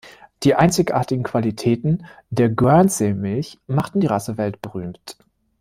Die einzigartigen Qualitäten der Guernsey-Milch machten die Rasse weltberühmt.